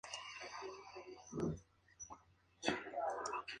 Tiene el cuerpo delgado y largo, y el hocico redondeado.